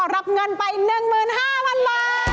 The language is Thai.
รับเงินไป๑๕๐๐๐บาท